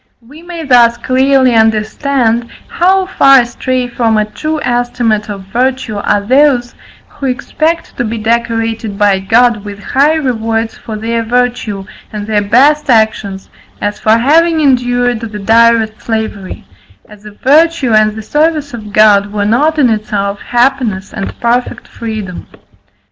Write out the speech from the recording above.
We may thus clearly understand, how far astray from a true estimate of virtue are those who expect to be decorated by God with high rewards for their virtue, and their best actions, as for having endured the direst slavery; as if virtue and the service of God were not in itself happiness and perfect freedom.